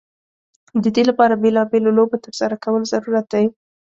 د دې لپاره بیلا بېلو لوبو ترسره کول ضرورت دی.